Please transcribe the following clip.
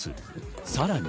さらに。